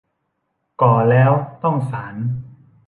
ก่อแล้วต้องสาน